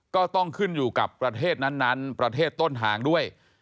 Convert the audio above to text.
ก็ต้องขึ้นอยู่กับประเทศนั้นประเทศต้นทางด้วย